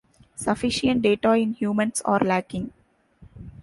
Sufficient data in humans are lacking.